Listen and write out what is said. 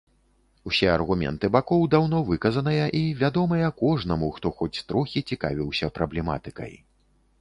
Усе аргументы бакоў даўно выказаныя і вядомыя кожнаму, хто хоць трохі цікавіўся праблематыкай.